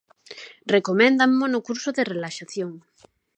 Recoméndanmo no curso de relaxación.